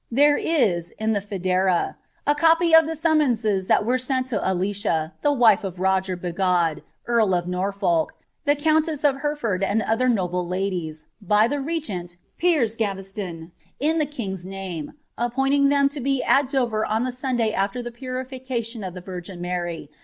There is, in the Fiedni, a copy of the summonses that were sent to Alicia, the wife of RofB Bigod, earl of Norfolk, the countess of Hereford and other noble ladks, by the regent, Piers Gaveston, in the king's name, appointing tlieni U be at Dover on the Sunday after the Purification of ilie Virgin Mary.